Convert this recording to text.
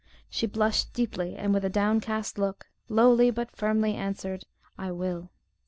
She blushed deeply, and, with a downcast look, lowly, but firmly answered, "I will."